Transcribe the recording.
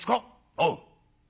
「おう」。